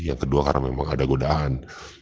yang kedua karena memang ada godaan